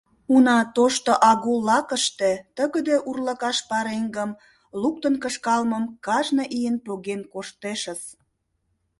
Уна, тошто агун лакыште тыгыде урлыкаш пареҥгым луктын кышкалмым кажне ийын поген коштешыс.